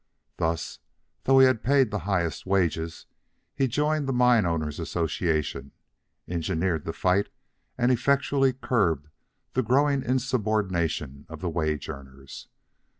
Thus, though he had paid the highest wages, he joined the Mine owners' Association, engineered the fight, and effectually curbed the growing insubordination of the wage earners.